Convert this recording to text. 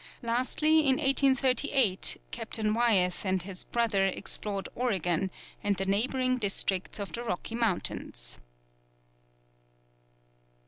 Lastly, in 1831 Captain Wyeth and his brother explored Oregon, and the neighbouring districts of the Rocky Mountains.